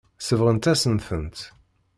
Sebɣent-asen-tent.